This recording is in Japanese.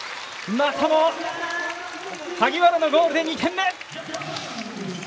またも萩原のゴールで２点目！